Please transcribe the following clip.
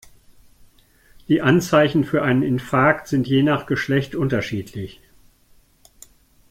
Die Anzeichen für einen Infarkt sind je nach Geschlecht unterschiedlich.